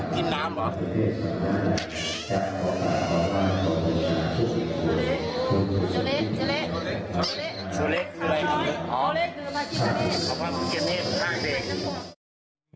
กินน้ำเหรอ